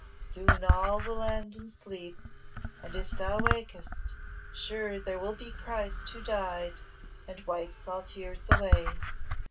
Soon all will end in sleep, and if thou wakest, sure there will be Christ who died, and wipes all tears away.